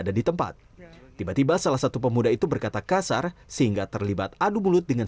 ada di tempat tiba tiba salah satu pemuda itu berkata kasar sehingga terlibat adu mulut dengan